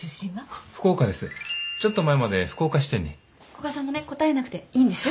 古賀さんもね答えなくていいんですよ。